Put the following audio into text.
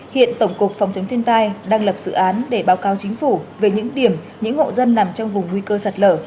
hiện tổng cục phòng chống thiên tai đang lập dự án để báo cáo chính phủ về những điểm những hộ dân nằm trong vùng nguy cơ sạt lở